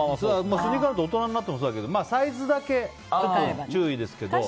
スニーカーだと大人になってもそうだけどサイズだけ注意ですけど。